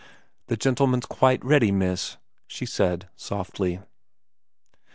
' The gentleman's quite ready, miss/ she said softly.